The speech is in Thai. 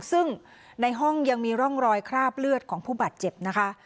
ซึ่งในห้องยังมีร่องรอยคราบเลือดของผู้บาดเจ็บนะคะ